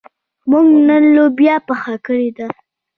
موږ نن لوبیا پخه کړې ده.